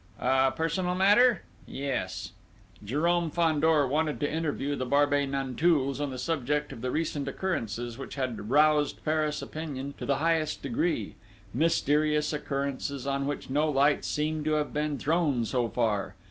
"A personal matter?... Yes." Jérôme Fandor wanted to interview the Barbey Nanteuils on the subject of the recent occurrences, which had roused Paris opinion to the highest degree mysterious occurrences on which no light seemed to have been thrown so far....